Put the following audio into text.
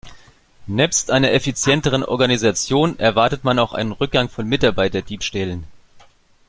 Nebst einer effizienteren Organisation erwartet man auch einen Rückgang von Mitarbeiterdiebstählen.